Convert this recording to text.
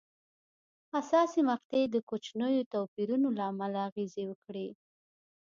حساسې مقطعې د کوچنیو توپیرونو له امله اغېزې وکړې.